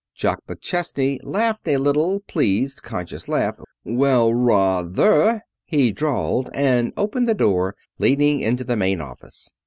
Jock McChesney laughed a little, pleased, conscious laugh. "Well, raw thah!" he drawled, and opened the door leading into the main office.